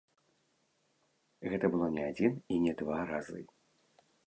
Гэта было не адзін і не два разы.